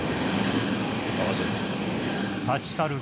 任せる。